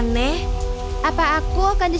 seperti pindah gaverik